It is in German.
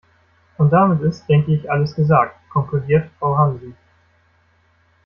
"Und damit ist denke ich alles gesagt", konkludiert Frau Hansen.